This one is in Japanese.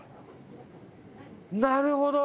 なるほど。